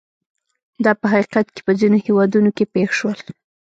دا په حقیقت کې په ځینو هېوادونو کې پېښ شول.